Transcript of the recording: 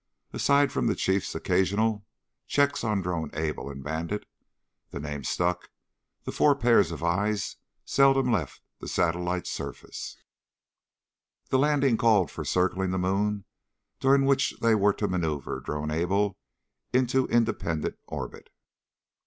Aside from the Chief's occasional checks on Drone Able and Bandit the name stuck the four pairs of eyes seldom left the satellite's surface. The landing plan called for circling the moon during which they were to maneuver Drone Able into independent orbit.